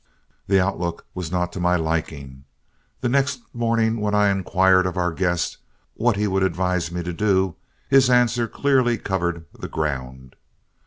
The outlook was not to my liking. The next morning when I inquired of our guest what he would advise me to do, his answer clearly covered the ground.